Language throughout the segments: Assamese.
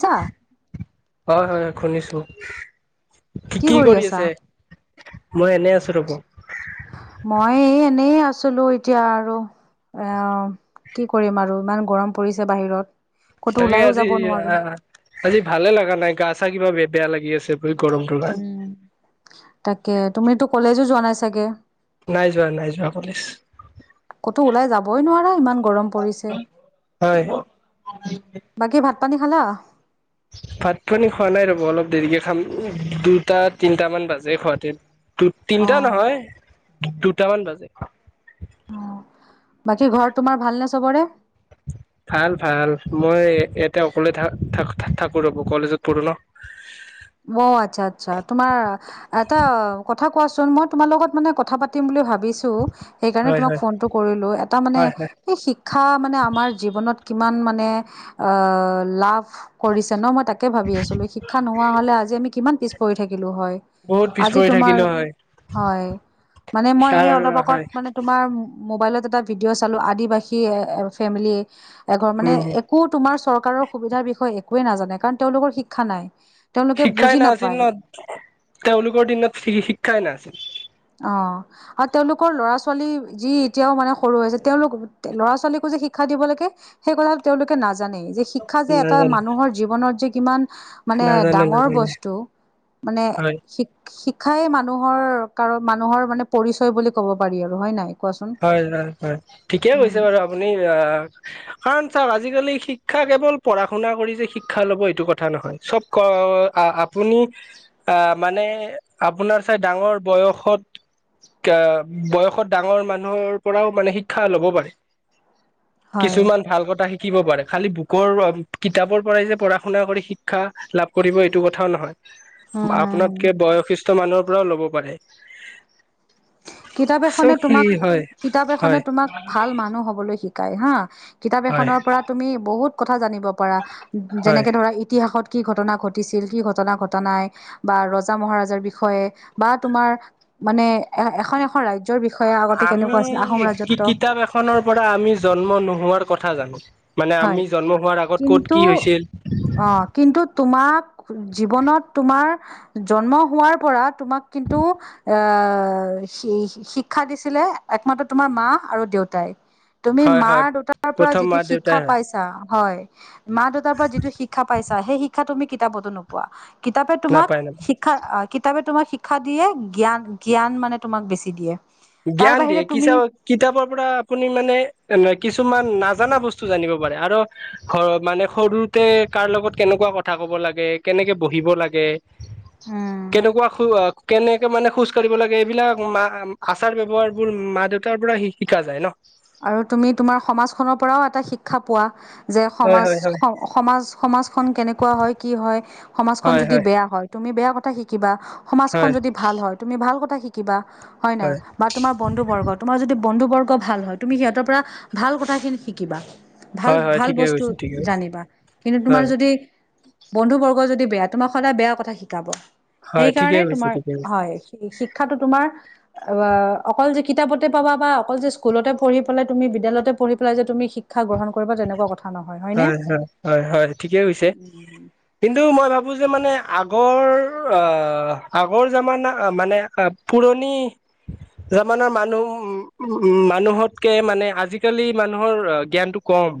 তা হয় হয় হয় শুনিছো কি কি কৰি আছে মই এনেই আছোঁ ৰ'ব মই এই এনেই আছিলো এতিয়া আৰু অ', কি কৰিম আৰু ইমান গৰম পৰিছে বাহিৰত। ক'তো তাকে ওলাইও আজি যাব নোৱাৰো আহ, আজি ভালে লাগা নাই গা চা কিবা বে বেয়া লাগি আছে। গৰমটোৰ কাৰণে উম, তাকে তুমিতো কলেজো যোৱা নাই চাগে? নাই যোৱা নাই যোৱা কলেজ ক'তো ওলাই যাবই নোৱাৰা? ইমান গৰম পৰিছে, হয় বাকি ভাত পানী খালা? ভাত পানী খোৱা নাই ৰ'ব অলপ দেৰিকে খাম, দুটা তিনিটামান বাজে খোৱাতে। দু অ তিনিটা নহয়, দুটামান বাজে। অ, বাকী ঘৰত তোমাৰ ভালনে চবৰে? ভাল ভাল, মই ইয়াতে অকলে থাক থাক থাকোঁ ৰ'ব কলেজত পঢ়ো ন'। অ আচ্ছা আচ্ছা তোমাৰ এটা কথা কোৱাচোন, মই তোমাৰ লগত মানে কথা পাতিম বুলি ভাবি ছোঁ, সেইকাৰণে হয় তোমাক হয় ফোনটো কৰিলো এটা মানে, হয় হয় সেই শিক্ষা মানে আমাৰ জীৱনত কিমান মানে অ, লাভ কৰিছে ন' মই তাকেই ভাবি আছিলো শিক্ষা ন [unintelligible] নহলে আজি আমি কিমান পিছপৰি থাকিলো হয়, বহুত পিছ আজি পৰি তোমাৰ, থাকিলো হয় হয়। মানে মই এই অলপ আগত, হয় মানে তোমাৰ মোবাইলত এটা ভিডিঅ' চালো আদিবাসী এ, ফেমিলি এঘৰ মানে একো তোমাৰ চৰ কাৰৰ সুবিধাৰ বিষয়ে একোৱে নাজানে কাৰণ তেওঁলোকৰ শিক্ষা নাই। তেওঁলোকে শিক্ষাই বুজি নাছিল নাপায় ন' তেওঁলোকৰ দিনত শি শিক্ষাই নাছিল। অ', আৰু তেওঁলোকৰ ল'ৰা ছোৱালী যি এতিয়াও মানে সৰু আছে তেওঁলোক ল'ৰা ছোৱালী যি শিক্ষা দিব লাগে, সেই কথা তেওঁলোকে নাজানেই, যে শিক্ষাই যে এটা নাজানে মানুহৰ জীৱনত যে কিমান মানে নাজানে ডাঙৰ নাজানে বস্তু, মানে, হয় শিক্ষ শিক্ষাই মানুহৰ কাৰণ মানুহৰ মানে পৰিচয় বুলি ক'ব পাৰি আৰু হয় নাই? কোৱাচোন হয়, হয়, হয়, ঠিকেই কৈছে উম বাৰু আপুনি আহ কাৰণ চাওক আজিকালি শিক্ষা কেৱল পঢ়াশুনা কৰি যে শিক্ষা ল'ব এইটো কথা নহয় চব ক আহ আপুনি আহ মানে আপোনাৰ চাই ডাঙৰ বয়সত [unintelligible] বয়সত ডাঙৰ মান মানুহৰ পৰাও মানে শিক্ষা ল'ব পাৰি, হয় কিছুমান ভাল কথা শিক শিকিব পাৰে খালী বুকৰ কিতাপৰ পৰাই যে পঢ়া শুনা কৰি শিক্ষা লাভ কৰিব এইটো কথাও হম নহয়। হম হম আপোনাতকে বয়সিস্থ মানুহৰ পৰাও ল'ব পাৰে। কিতাপ এখনে চ' কি তোমাক, হয় কিতাপ এখনে হয় তোমাক ভাল মানুহ হবলৈ শিক কাই হা, কিতাপ হয় এখনৰ পৰা তুমি বহুত কথা জানিব পাৰা, হয় যেনেকে ধৰা ইতিহাসত কি ঘটনা ঘটিছিল কি ঘটনা ঘটা নাই, বা ৰজা মহাৰাজাৰ বিষয়ে, বা তোমাৰ মানে এ এখন এখন ৰাই আমি কি কিতাপ এখনৰ পৰা আমি জন্ম নোহোৱাৰ কথা জানো। মানে হয়, আমি জন্ম হোৱাৰ আগত ক'ত কিন্তু, কি হৈছিল অ, কিন্তু তোমাক জীৱনত তোমাৰ, জন্ম হোৱাৰ পৰা তোমাক কিন্তু আহ আৰু সেই শিক্ষা দিছিলে একমাত্ৰ তোমাৰ মা আৰু দেউতাই। তুমি হয় মা হয় দেউতাৰ পৰা প্ৰথম যিটো মা শিক শিক্ষা দেউতাই হয় পাইছা, হয় মা দেউতাৰ পৰা যিটো শিক্ষা পাইছা সেই শিক্ষা তুমি কিতাপতো নোপোৱা। কিতাপে তোমাক নাপায় নাপায় শিক্ষা আক কিতাপে তোমাক শিক্ষা দিয়ে, জ্ঞান জ্ঞান মানে তোমাক বেছি দিয়ে। তাৰ জ্ঞান বাহিৰে দিয়ে, তুমি কিচা, কিতাপৰ পৰা আপুনি মানে, এনে কিছুমান নাজানা বস্তু জানিব পাৰে আৰু, ঘৰত মানে সৰুতে কাৰ লগত কেনেকুৱা কথা ক ক'ব লাগে কেনেকে বহিব লাগে? উম কেনেকুৱা খু আ কেনেকে মানে খোজকাঢ়িব লাগে এইবিলাক মা আচাৰ ব্যৱহাৰবোৰ মা দেউতাৰ পৰা শিকা যায় ন'? আৰু তুমি তোমাৰ সমাজখনৰ পৰাও এটা শিক্ষা পোৱা। যে হয় সমাজ হয় হয় সমাজ সমাজখন কেনেকুৱা হয় কি হয় সমাজখন যদি বেয়া হয় তুমি বেয়া কথা শিকিবা হয় সমাজখন যদি ভাল হয় তুমি ভাল কথা শিকিবা। হয় নাই, বা তোমাৰ বন্ধুবৰ্গ তোমাৰ যদি বন্ধুবৰ্গ ভাল হয় তুমি সিহঁতৰ পৰা, ভাল কথাখিনি শিকিবা। ভাল হয় হয় ভাল ঠিকে বস্তু কৈছে ঠিকে কৈছে জানিবা কিন্তু তোমাৰ হয় যদি বন্ধু বৰ্গ যদি বেয়া তোমাক সদায় বেয়া কথা শিকাব। হয় ঠিকে সেইকাৰণে কৈছে তোমাৰ ঠিকে কৈছে হয়। শিক্ষাটো তোমাৰ অ অকল যে কিতাপতে পাবা বা অকল যে স্কুলতে পঢ়ি পেলাই তুমি বিদালয়তে পঢ়ি পাই যে তুমি শিক্ষাগ্ৰহন তেনেকুৱা কথা নহয় হয়নে? হয় হয় হয় হয় ঠিকেছে কিন্তু মই ভাব- টো যে মানে আগৰ আহ আগৰ যামান মানে পুৰণি যামানা মানুহ উ মানুহতকে মানে আজিকালি মানুহৰ জ্ঞানটো কম অ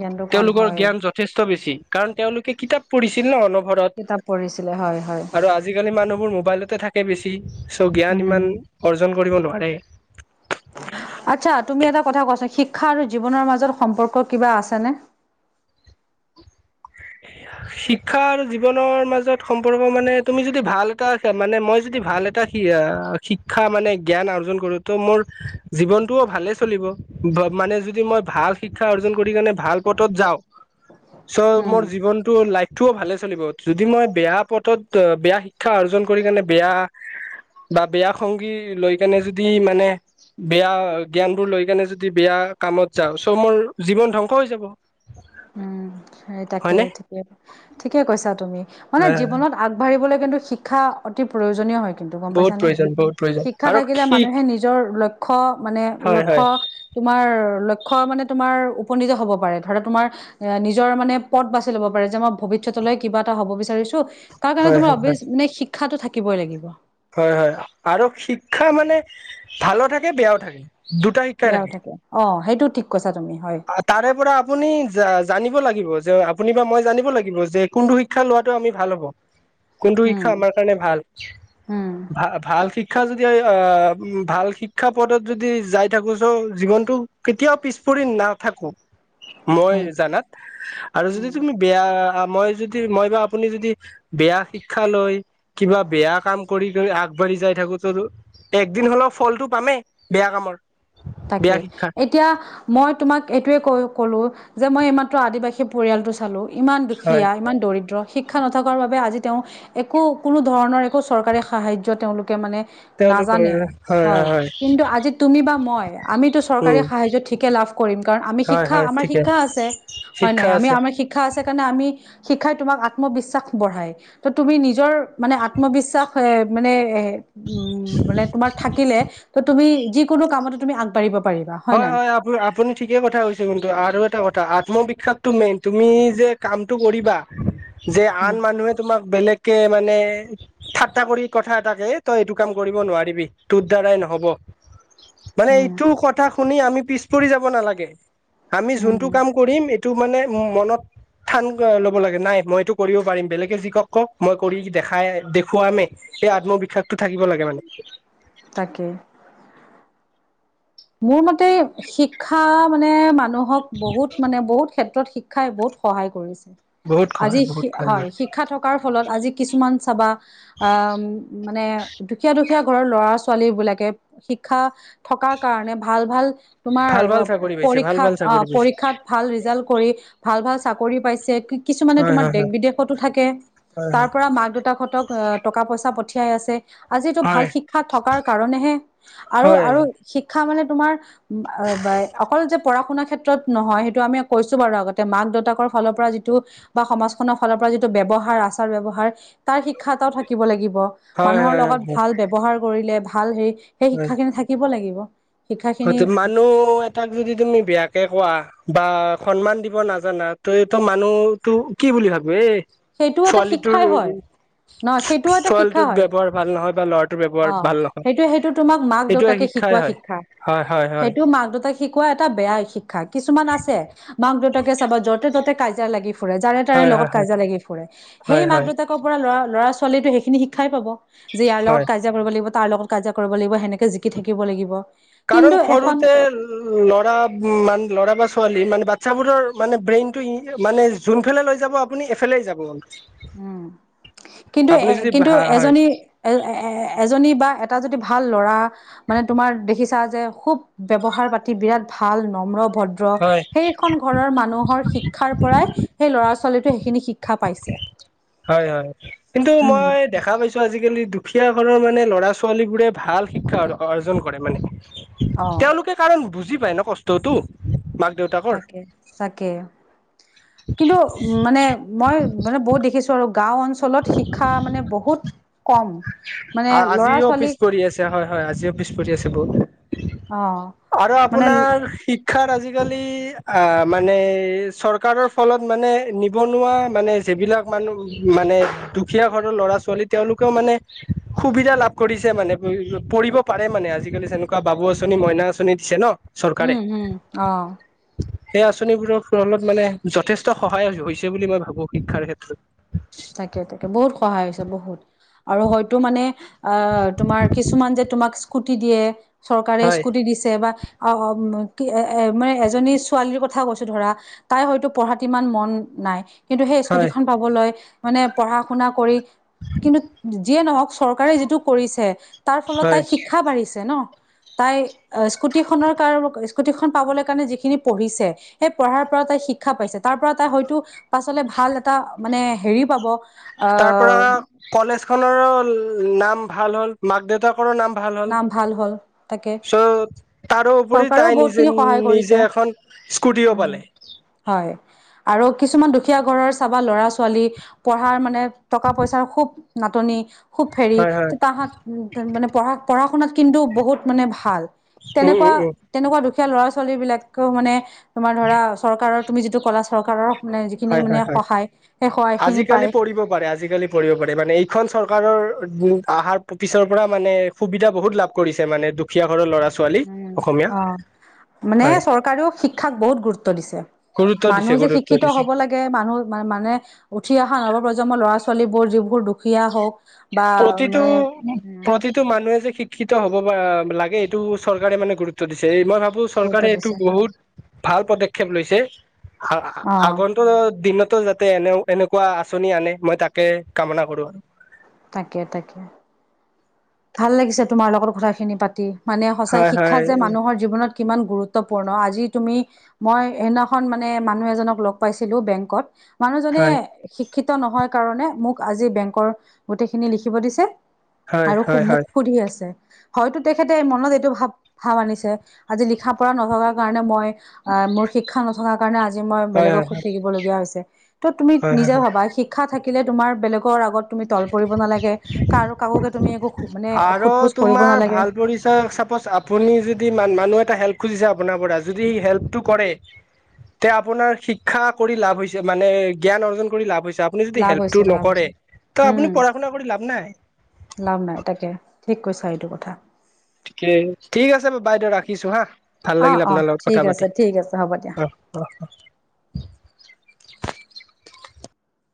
জ্ঞানটো কম তেওঁলোকৰ হয় জ্ঞান যথেষ্ট বেছি কাৰণ তেওঁলোকে কিতাপ পঢ়িছিল ন অন- কিতাপ ঘৰত পঢ়িছিলে হয় হয় আৰু আজিকালি মানুহবোৰ মোবাইলতে থাক- কে বেছি চ' জ্ঞান উম ইমান অৰ্জন কৰিব নোৱাৰে। আচ্ছা তুমি এটা কথা কোৱাচোন শিক্ষা আৰু জীৱনৰ মাজত সম্পৰ্ক কিবা আছেনে? [inaudible] শিক্ষা আৰু জীৱনৰ মাজত সম্পৰ্ক মানে তুমি যদি ভাল এটা মানে মই যদি ভাল এটা শি- য়া শিক্ষা মানে জ্ঞান অৰ্জন কৰো ত মোৰ জীৱনটোও ভালে চলিব। বাম- মানে যদি মই ভাল শিক্ষা অৰ্জন কৰি কাৰণে ভাল পথত যাওঁ। [inaudible] চ উম মোৰ জীৱনটো লাইফটোও ভালে চলিব যদি মই বেয়া পথত বেয়া শিক্ষা অৰ্জন কৰি কাৰনে বেয়া বা বেয়া সংগী লৈ কেনে যদি মানে বেয়া জ্ঞানবোৰ লৈ কেনে যদি বেয়া কামত যাওঁ চ' মোৰ জীৱন ধ্বংস হৈ যাব। উম সেই তাকে হয়নে ঠিকে ঠিকে কৈছা তুমি মানে জীৱনত আগবাঢ়িবলৈ কিন্তু শিক্ষা অতি প্ৰয়োজনীয় হয় কিন্তু গম বহুত পাইছানে? প্ৰয়োজন বহুত প্ৰয়োজন শিক্ষা থাকিলে আৰু মানুহে নিজৰ লক্ষ্য মানে হয় লক্ষ্য হয় তোমাৰ ল- খ মানে তোমাৰ উপনীত হব পাৰে ধৰা তোমাৰ নিজ- নিজৰ মানে পথ বাচি ল'ব পাৰে যে মই ভৱিষ্যতলৈ কিবা এ হব বিৰিছো তাৰ কাৰণে এবিৱেছ হয় তোমাৰ হয় হয় মানে শিক্ষ- শিক্ষাটো থাকিবই লাগিব। হয় হয় আৰু শিক্ষা মানে ভালো থাকে বেয়াও থাকে। দুটা শিক্ষাই বেয়াও থাকে অ সেইটো ঠিক কৈছ- তাৰে পৰা আপুনি জানিব লাগিব। যে আপুনি বা মই জানিব লাগিব যে কোনটো শিক্ষা লোৱাটো আমি ভাল হব। কোনটো উম শিক্ষা আমাৰ কাৰণে ভাল উম ভ ভাল শিক্ষ- শিক্ষা যদি আহ ভাল শিক্ষা পদত যদি যাই থাকো চ জীৱনতটো কেতিয়াও পিছপৰি থাকোঁ মই সেইটো জানাত আৰু যদি উম তুমি বেয়া মই যদি মই বা আপুনি যদি বেয়া শিকা লৈ কিবা বেয়া কাম আগবাঢ়ি যাই থাকো একদিন হ'লেও ফলটো পামেই বেয়া কামৰ তাকে বেয়া শিক্ষাৰ এতিয়া মই তোমাক এইটোৱে ক কলো যে মই এই মাত্ৰ আদিবাসী পৰিয়াল টো চালো ইমান হয় দুখীয়া ইমান দৰিদ্ৰ শিক্ষা নথকাৰ বাবে আজি তেওঁ একো কোনো ধৰণৰ একো চৰকাৰী সাহায্য তেওঁলোকে মানে নাজানে হয় কিন্তু আজি তুমি বা মই আমিতো চৰকাৰী উম সাহায্য ঠিকে লাভ কৰিম কাৰণ আমি হয় শিক্ষা হয় আমাৰ ঠিকে শিক্ষা আছে হয় নাই। শিক্ষা আমি আছে আমাৰ শিক্ষা আছে। তেনে আমি শিক্ষাই তোমাক আত্মবিশ্বাস বঢ়াই ত তুমি নিজৰ মানে আত্মবিশ্বাস, মানে এ উম মানে তোমাৰ থাকিলে ত তুমি যিকোনো কামত তুমি আগবাঢ়িব হয় হয় আপুনি আপুনি ঠিকে কথা কৈছে কিন্তু আৰু এটা কথা আত্মবিশ্বাস মেইন তুমি যে কামটো কৰিবা যে আন উম, মানুহে তোমাক বেলেগ কে মানে ঠাট্টা কৰি কথা এটাকে তই এইটো কাম কৰিব নোৱাৰিবি তোৰ দ্বাৰাই নহব। [inaudible] মানে এইটো কথা শুনি আমি পিছ পৰি যাব নালাগে। আমি যোনটো উম। কাম কৰিম টো মানে মনত থান ল'ব লাগে নাই মইটো কৰিব পাৰিম বেলেগে যি কক কওক মই কৰি দেখাই দেখুৱামেই, সেই আত্মবিশ্বাসটো থাকিব লাগে মানে। তাকে। মোৰ মতে শিক্ষা মানে মানুহক বহুত মানে বহুত ক্ষেত্ৰত শিক্ষাই বহুত সহায় কৰিছে বহুত আজি সহায় বহুত সহায় হয় কৰে শিক্ষা থকাৰ ফলত আজি কিছুমান চাবা অ মানে দুখীয়া দুখীয়া ঘৰৰ ল'ৰা ছোৱালী বিলাকে শিক্ষা থকাৰ কাৰণে ভাল ভাল তোমাৰ ভাল ভাল চাকৰি পাইছে ভাল পৰীক্ষাত ভাল অ চাকৰি পাইছে পৰীক্ষাত ভাল ৰিজাল্ট কৰি ভাল ভাল চা- চাকৰি পাইছে কিছুমানে হয় তোমাৰ দেশ হয় বিদেশতো থাকে হয় তাৰ পৰা মাক দেউতাক হতক টকা পইচা পঠিয়াই আছে আজিটো হয় ভাল শিক্ষাত থকাৰ কাৰণেহে আৰু হয় হয় আৰু শিক্ষা মানে তোমাৰ অকল যে পঢ়া শুনাৰ ক্ষেত্ৰত নহয় সেইটো আমি কৈছো বাৰু আগতে মাক দেউতাকৰ ফালৰ পৰা যিটো বা সমাজখনৰ ফালৰ পৰা যিটো ব্যৱহাৰ আচাৰ ব্যয়ৱহাৰ তাৰ শিক্ষা এটাও থাকিব লাগিব- হয় মানুহৰ হয় লগত ভাল ব্যৱহাৰ কৰিলে ভাল হেৰি সেই হয় শিক্ষা খিনি থাকিব লাগিব হয় শিক্ষাখিনি মানুহ এটাক যদি তুমি বেয়াকে কোৱা বা সন্মান দিব নাজানা তই ত মানুহ তটো কি বুলি ভাব এ সেইটোও এটা শিক্ষাই হয়। ন সেইটোও এটা শিক্ষা ছোৱালীটোৰ হয় ব্যৱহাৰ ভাল নহয় বা ল'ৰাটোৰ ব্যৱহাৰ অ ভাল নহয় সেইটো সেইটো তোমাক মাক এইটোৱে দেউতাকে শিক্ষাই শিকোৱা হয়। শিক্ষা হয় হয় হয় সেইটো মাক দেউতাক শিকোৱা এটা বেয়া শিক্ষা কিছুমান আছে মাক দেউতাকে চাবা যতে ততে কাজিয়া লাগি ফুৰে যাৰে তাৰে হয় লগত হয় কাজিয়া লাগি সেই হয় হয় মাক হয় দেউতাকৰ পৰা লৰা ল'ৰা ছোৱালী সেইখিনি শিক্ষাই পাব যে ইয়াৰ লগত হয় কাজিয়া কৰিব লাগিব। তাৰ লগত কাজিয়া কৰিব লাগিব সেনেকে জিকি থাকিব লাগিব। কিন্তু কাৰণ এখন সৰুতে ল'ৰা মান ল'ৰা বা ছোৱালী মানে বাচ্ছাবোৰৰ মানে ব্ৰেইনটো মানে যোনফালে লৈ যাব আপুনি এইফালেই যাব। উম কিন্তু আপুনি এ যদি কিন্তু হয় হয় এজনী এ এজনী বা এটা যদি ভাল ল'ৰা মানে তোমাৰ দেখিছা যে খুব ব্যৱহাৰ পাতি বিৰাট ভাল নম্ৰ ভদ্ৰ হয় সেইখন ঘৰৰ মানুহৰ শিক্ষাৰ পৰাই সেই ল'ৰা ছোৱালীটো সেইখিনি শি শিক্ষা পাইছে। হয় হয় কিন্তু উম মই দেখা পাইছো আজিকালি দুখীয়া ঘৰৰ মানে ল'ৰা ছোৱালী বোৰে ভাল শিক্ষা অৰ্জন কৰে মানে। অ তেওঁলোকে কাৰ বুজ- বুজি পায় ন কষ্টতো মাক দেউতাকৰ তাকে তাকে কিন্তু উ মানে মই মানে বহুত দেখিছো আৰু গাঁও অঞ্চলত শিক্ষা মানে বহুত কম। মানে ল'ৰা আজিও ছোৱালী পিছ পৰি আছে হয় হয় আজিও পিছ পৰি আছে বহুত। অ আৰু মানে আপোনাৰ শিক্ষ- শিক্ষাৰ আজিকালি আ মানে চৰকাৰৰ ফলত মানে নিবনুৱা মানে সেইবিলাক মানুহ মানে দুখীয়া ঘৰৰ ল'ৰা ছোৱালী তেওঁলোকেও মানে সুবিধা লাভ কৰিছে মানে পঢ়িব পাৰে মা- মানে আজিকালি যেনে বাবু আঁচনি মইনা আঁচনি দিছে ন। চৰকাৰে উম উম আহ সেই আঁচনিবোৰৰ ফলত মানে যথেষ্ট সহায় হৈছে বুলি মই ভাবো শিক্ষাৰ ক্ষেত্ৰত তাকে তাকে বহুত সহায় হৈছে বহুত। আৰু হয়তো মানে আহ তোমাৰ কিছুমান যে তোমাক স্কুটি দিয়ে। চৰকাৰে হয় স্কুটি দিছে বা- অ অ এ এ মানে এজনী ছোৱালীৰ কথা কৈছো ধৰা তাই হয়তো পঢ়াত ইমান মন নাই। কিন্তু সেই হয় স্কুটিখন পাবলৈ মানে পঢ়া শুনা কৰি কিন্তু যিয়ে নহওঁক চৰকাৰে যিটো কৰিছে- তাৰ ফলত তাই হয় শিক্ষা বাঢ়িছে ন। তাই স্কুটিখনৰ কাৰ স্কুটি খন পাবলৈ কাৰণে যিখিনি পঢ়িছে, সেই পঢ়াৰ পৰা- তাই শিক্ষা পাইছে তাৰ পৰা তাই হয়তো পাছলে ভাল এটা মানে হেৰি পাব। তাৰ আহ পৰা কলেজ খনৰো নাম ভাল হ'ল মাক দেউতাক- পৰা নাম ভাল হ'ল। ভাল হ'ল তাকে চ' তাৰোপৰি চৰকাৰেও তাই নিজে বহুতখিনি সহায় কৰিছে নিজে এখন স্কুটিও উম পালে। হয়। আৰু কিছুমান দুখীয়া ঘৰৰ চাবা ল'ৰা -ছোৱালী পঢ়াৰ মানে টকা পইছাৰ খুব নাটনি, খুব হেৰী হয় হয় তাহাঁত মানে পঢ়া পঢ়া শুনাত কিন্তু বহুত মানে ভাল। উম তেনেকুৱা উম উম তেনেকুৱা দুখীয়া ল'ৰা ছোৱালী বিলাকেও মানে তোমাৰ ধৰা চৰকাৰৰ তুমি যিটো ক'লা চৰকাৰৰ মানে যিখিনি হয় মানে হয় হয়। সহায় সেই সহায় খিনি আজিকালি পায় পঢ়িব পাৰে আজিকালি পঢ়িব পাৰে মানে এইখন চৰকাৰৰ উম অহাৰ পিছৰ পৰা মানে সুবিধা বহুত লাভ কৰিছে মানে দুখীয়া ঘৰৰ ল'ৰা - ছো উম অঁ মানে হয় চৰকাৰেও শিক্ষাক বহুত গুৰুত্ব দিছে। গুৰুত্ব মানুহ দিছে যে গুৰুত্ব শিক্ষিত দিছে। হ'ব লাগে। গে। মানুহ মানে উঠি অহা নৱপ্ৰজন্মৰ ল'ৰা ছোৱালীবোৰ যিবোৰ দুখীয়া হওঁক প্ৰতিটো প্ৰতিটো মানুহে যে শিক শিক্ষিত হ'ব বা লাগে এইটো চৰকাৰে মানে গুৰুত্ব দিছে। এই মই ভাবো গুৰুত্ব চৰকাৰে এইটো দিছে বহুত ভাল পদক্ষেপ লৈছে। আ অ আগন্তক দিনত যাতে এনে এনেকুৱা আঁচনি আনে মই তাকে কামনা কৰোঁ। তাকে তাকে। ভাল লাগিছে তোমাৰ লগত কথাখিনি পাতি মানে সঁচাই হয় শিক্ষা হয় যে মানুহৰ জীৱনত কিমান গুৰুত্বপুৰ্ণ আজি তুমি মই সেইদিনাখন মানে মানুহ এজনক লগ পাইছিলো বেংকত মানুহজনে হয় শিক্ষিত নহয় কাৰণে মোক আজি বেংকৰ গোটেইখিনি লিখিব দিছে। হয় আৰু সু হয় মোক হয় সুধি আছে। হয়টো তেখেতে মনত এইটো ভাৱ ভাৱ আনিছে আজি লিখা পঢ়া নথকাৰ কাৰণে মই অঁ মোৰ শিক্ষা নথকাৰ কাৰণে আজি আজি মই হয় বেলেগক হয় সুধি থাকিব লগীয়া হৈছে। ত' তুমি হয় হয় নিজে হয় ভাবা শিক্ষা থাকি থাকিলে তোমাৰ বেলেগৰ আগত তুমি তল পৰিব নালাগে, কাৰ কাৰোকে তুমি একো মানে আৰু সোধ পোছ কৰিব তোমাৰ নালাগে ভাল পৰিচয় চাপজ আপুনি যদি মানুহ এটা হেল্প- খুজিছে আপোনাৰ পৰা যদি হেল্পটো কৰে, সে আপুনাৰ শিক্ষা কৰি লাভ হৈছে মানে জ্ঞান অৰ্জন কৰি লাভ হৈছে। আপুনি যদি লাভ হৈছে হেল্পটো লাভ নকৰে হৈছে ত আপুনি উম পঢ়া শুনা কৰি লাভ নাই। লাভ নাই তাকে ঠিক কৈছা এইটো কথা। ঠিকে, ঠিক আছে ব বাইদেউ ৰাখিছোঁ হা। ভাল অ লাগিল অ আপোনাৰ লগত ঠিক কথা আছে পাতি ঠিক আছে হ'ব দিয়া অহ, অহ অহ। [inaudible]